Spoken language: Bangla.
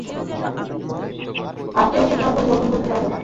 আর কেউ সেটা পরিবর্তন করতে পারবে না।